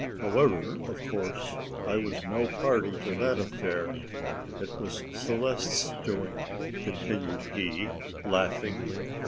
However, of course, I was no party to that affair; it was Celeste's doing," continued he, laughing.